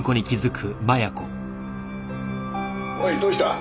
おいどうした？